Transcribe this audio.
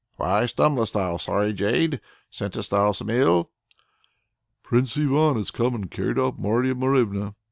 "Why stumblest thou, sorry jade? scentest thou some ill?" "Prince Ivan has come and carried off Marya Morevna."